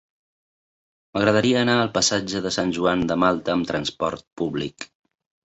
M'agradaria anar al passatge de Sant Joan de Malta amb trasport públic.